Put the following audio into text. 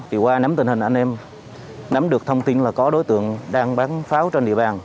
thì qua nắm tình hình anh em nắm được thông tin là có đối tượng đang bán pháo trên địa bàn